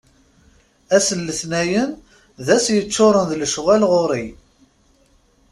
Ass n letnayen d ass yeččuṛen d lecɣal ɣur-i.